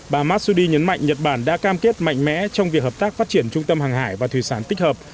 bà masudi nhấn mạnh nhật bản đã cam kết mạnh mẽ trong việc hợp tác phát triển trung tâm hàng hải và thủy sản tích hợp